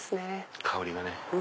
香りもね。